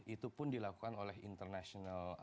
itu pun dilakukan oleh international